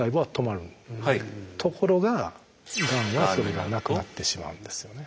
ところががんはそれがなくなってしまうんですよね。